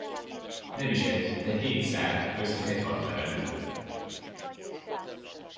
Nem is egy, de hét szál, köztük egy hatlevelű.